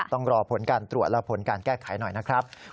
ต้องรอผลการตรวจและผลการแก้ไขหน่อยนะครับ